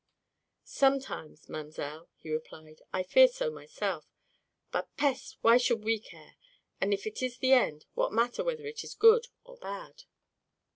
"Sometimes, mamselle," he replied, "I fear so myself. But, peste! why should we care? If it is the end, what matter whether it is good or bad?"